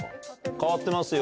変わってますよ